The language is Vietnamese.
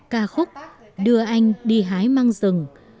ca khúc đưa anh đi hái măng rừng